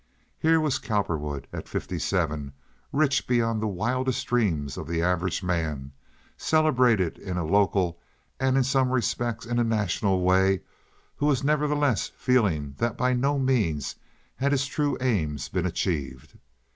Here was Cowperwood at fifty seven, rich beyond the wildest dream of the average man, celebrated in a local and in some respects in a national way, who was nevertheless feeling that by no means had his true aims been achieved.